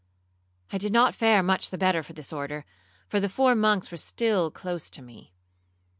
I did not fare much the better for this order, for the four monks were still close to me.